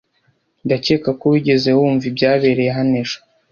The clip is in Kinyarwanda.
Ndakeka ko wigeze wumva ibyabereye hano ejo